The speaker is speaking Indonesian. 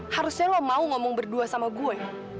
harusnya lo mau ngomong berdua sama gue